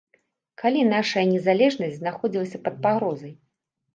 Калі нашая незалежнасць знаходзілася пад пагрозай?